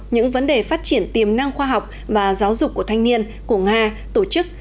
những vấn đề phát triển tiềm năng khoa học và giáo dục của thanh niên của nga tổ chức